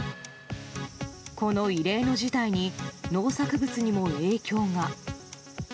この異例の事態に農作物にも影響が。